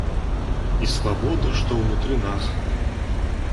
І свабода, што ўнутры нас.